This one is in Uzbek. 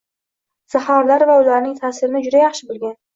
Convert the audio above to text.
Zaharlar va ularning ta’sirini juda yaxshi bilgan